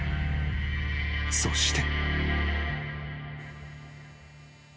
［そして］